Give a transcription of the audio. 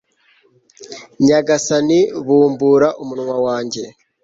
nyagasani, bumbura umunwa wanjye